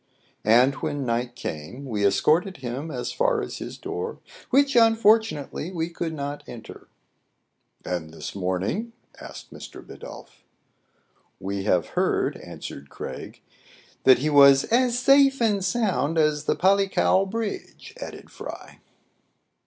" And, when night came, we escorted him as far as his door'* — "Which, unfortunately, we could not enter." " And this morning }" asked Mr. Bidulph. "We have heard," answered Craig, "that he was "— "As safe and sound as the Palikao bridge," added Fry.